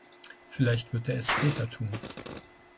Vielleicht wird er es später tun.